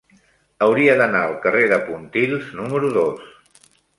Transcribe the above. Hauria d'anar al carrer de Pontils número dos.